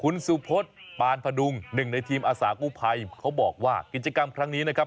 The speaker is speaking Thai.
คุณสุพศปานพดุงหนึ่งในทีมอาสากู้ภัยเขาบอกว่ากิจกรรมครั้งนี้นะครับ